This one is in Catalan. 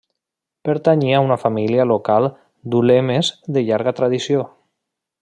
Pertanyia a una família local d'ulemes de llarga tradició.